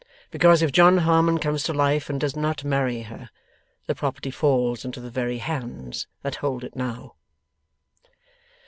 Because if John Harmon comes to life and does not marry her, the property falls into the very hands that hold it now.